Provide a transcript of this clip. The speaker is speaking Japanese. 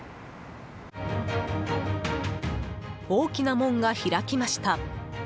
大きな門が開きました。